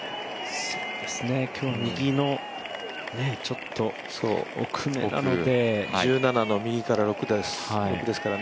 今日、右のちょっと奥目なので。